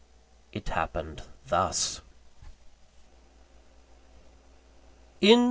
It happened thus: VII.